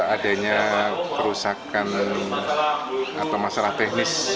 adanya kerusakan atau masalah teknis